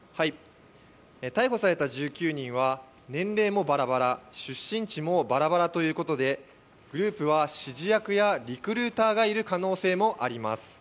逮捕された１９人は年齢もバラバラ出身地もバラバラということでグループは指示役やリクルーターがいる可能性もあります。